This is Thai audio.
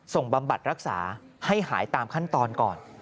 บำบัดรักษาให้หายตามขั้นตอนก่อน